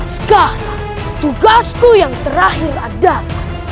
sekarang tugasku yang terakhir adalah